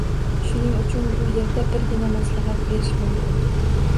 Shuning uchun bu yerda birgina maslahat berish mumkin